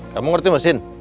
kamu ngerti mesin